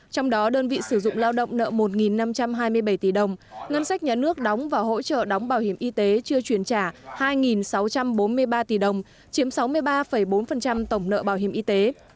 trong đó đơn vị sử dụng lao động nợ một năm trăm hai mươi bảy tỷ đồng ngân sách nhà nước đóng và hỗ trợ đóng bảo hiểm y tế chưa chuyển trả hai sáu trăm bốn mươi ba tỷ đồng chiếm sáu mươi ba bốn tổng nợ bảo hiểm y tế